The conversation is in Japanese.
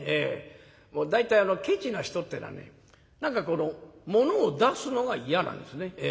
大体ケチな人ってえのはね何かものを出すのが嫌なんですね。